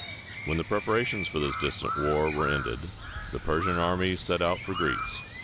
When the preparations for this distant war were ended, the Persian army set out for Greece.